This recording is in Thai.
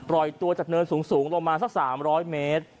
ปล่อยตัวจากเนินสูงลงมาสัก๓๐๐เมตร